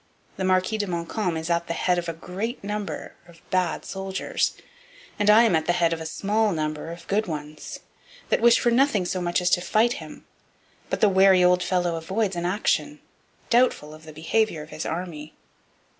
The Marquis de Montcalm is at the head of a great number of bad soldiers and I am at the head of a small number of good ones, that wish for nothing so much as to fight him; but the wary old fellow avoids an action, doubtful of the behaviour of his army.